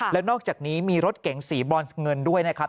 แล้วนอกจากนี้มีรถเก๋งสีบรอนเงินด้วยนะครับ